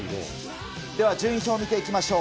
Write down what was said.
では、順位表を見ていきましょう。